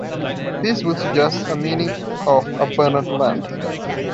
This would suggest a meaning of "abundant land".